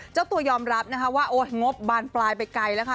เจ้าตัวยอมรับนะคะว่าโอ๊ยงบบานปลายไปไกลแล้วค่ะ